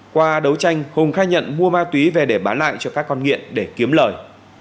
qua đấu tranh hùng khai nhận mua ma túy về để bán lại cho các con nghiện để kiếm lời